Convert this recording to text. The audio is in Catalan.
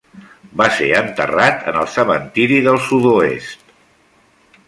Va ser enterrat en el Cementiri del Sud-oest.